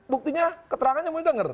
buktinya keterangannya mau di denger